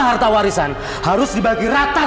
harta warisan harus dibagi rata